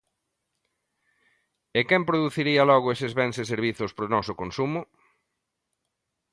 E quen produciría logo eses bens e servizos para o noso consumo?